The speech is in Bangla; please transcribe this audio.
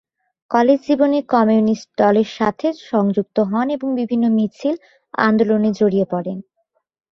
কলেজ জীবনে কমিউনিস্ট দলের সাথে সংযুক্ত হন এবং বিভিন্ন মিছিল, আন্দোলনে জড়িয়ে পরেন।